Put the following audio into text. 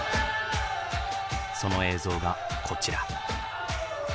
その映像がこちら。